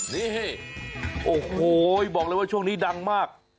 นี่โอ้โหบอกเลยว่าช่วงนี้ดังมาก